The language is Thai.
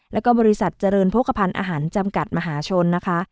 แล้วก็บริษัทเจริญโภคภัณฑ์อาหารจำกัดมหาชนนะคะ